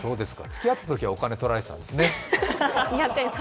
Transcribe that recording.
付き合ってたときはお金取られてたんですね。